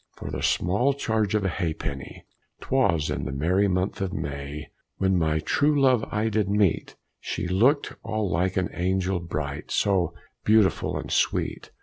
For the small charge of a ha'penny! 'Twas in the merry month of May, When my true love I did meet; She look'd all like an angel bright, So beautiful and sweet.